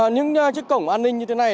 những chiếc cổng an ninh như thế này